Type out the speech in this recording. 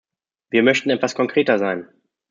Wir möchten etwas konkreter sein.